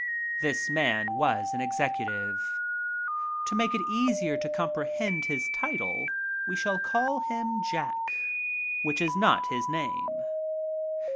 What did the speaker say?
This man was an executive. To make it easier to com A BATTLE ROYAL 51 prehend his title we shall call him Jack — which is not his name.